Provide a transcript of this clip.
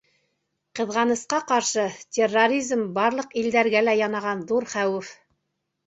Ҡыҙғанысҡа ҡаршы, терроризм — барлыҡ илдәргә лә янаған ҙур хәүеф.